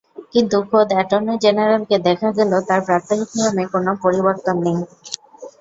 কিন্তু খোদ অ্যাটর্নি জেনারেলকে দেখা গেল তাঁর প্রাত্যহিক নিয়মে কোনো পরিবর্তন নেই।